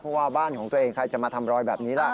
เพราะว่าบ้านของตัวเองใครจะมาทำรอยแบบนี้ล่ะ